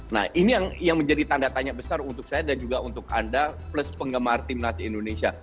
nah ini yang menjadi tanda tanya besar untuk saya dan juga untuk anda plus penggemar timnas indonesia